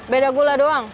beda gula doang